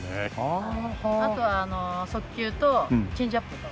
あとは速球とチェンジアップと。